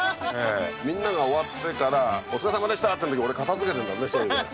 みんなが終わってからお疲れさまでしたって時俺片づけてんだぜ１人で。